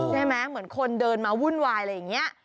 เหมือนคนเดินมาวุ่นวายอะไรอย่างนี้